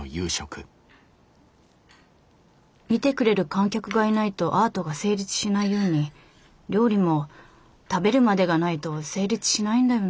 見てくれる観客がいないとアートが成立しないように料理も「食べる」までがないと成立しないんだよな